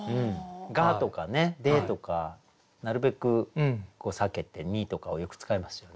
「が」とかね「で」とかなるべく避けて「に」とかをよく使いますよね。